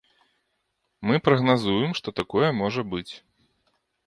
Мы прагназуем, што такое можа быць.